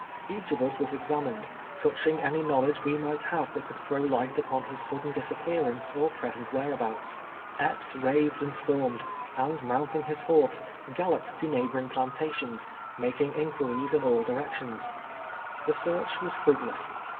Each of us was examined, touching any knowledge we might have that could throw light upon llis sudden disa})pearancc or present whereabouts. Epps raved and stormed, and mounting his horse, gal loped to neighboring plantations, making imjuiries in all directions. The search was fruitless.